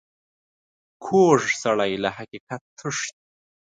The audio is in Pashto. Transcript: کوږ سړی له حقیقت تښتي